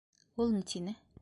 Ул ни тине...